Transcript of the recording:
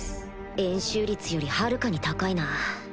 円周率よりはるかに高いな